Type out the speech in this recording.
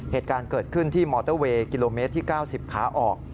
เหตุการณ์เกิดขึ้นที่มอเตอร์เวย์กิโลเมตรที่๙๐ขาออก